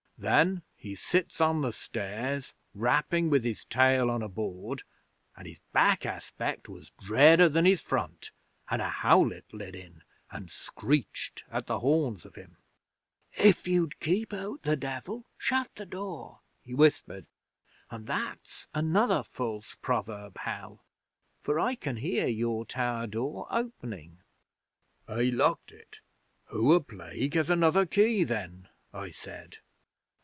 Then he sits on the stairs, rapping with his tail on a board, and his back aspect was dreader than his front, and a howlet lit in, and screeched at the horns of him. '"If you'd keep out the Devil, shut the door," he whispered. "And that's another false proverb, Hal, for I can hear your tower door opening." '"I locked it. Who a plague has another key, then?" I said.